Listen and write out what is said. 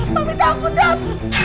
mami takut dam